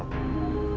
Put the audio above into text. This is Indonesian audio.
mungkin bukan teror